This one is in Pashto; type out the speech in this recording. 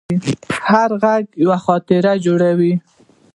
هر غږ یوه خاطره جوړوي.